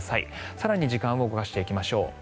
更に時間を動かしていきましょう。